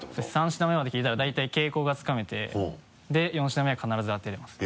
３品目まで聞いたら大体傾向がつかめてで４品目は必ず当てれます。